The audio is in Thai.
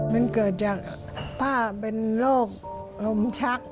มันเกิดจากป้าเป็นโรคลมชัก